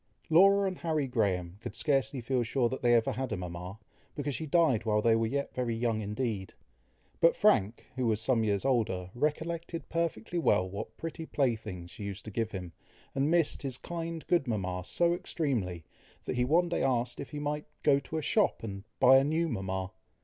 Laura and Harry Graham could scarcely feel sure that they ever had a mama, because she died while they were yet very young indeed; but Frank, who was some years older, recollected perfectly well what pretty playthings she used to give him, and missed his kind, good mama so extremely, that he one day asked if he might "go to a shop and buy a new mama?"